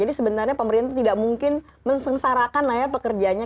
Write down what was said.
jadi sebenarnya pemerintah tidak mungkin mengsengsarakan pekerjanya